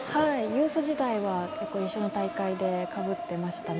ユース時代は結構、一緒の大会でかぶっていましたね。